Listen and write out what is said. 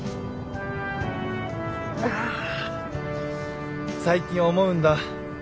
あ最近思うんだ。